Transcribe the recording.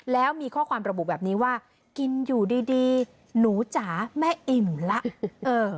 แล้วมีข้อความระบุแบบนี้ว่ากินอยู่ดีหนูจ๋าแม่อิ่มแล้ว